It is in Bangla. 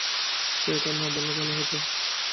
সে এটা না বললেই ভালো হত।